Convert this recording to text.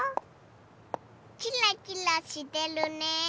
キラキラしてるね。